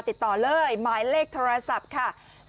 ติดต่อเลยหมายเลขโทรศัพท์ค่ะ๐๙๕๑๙๓๕๑๓๐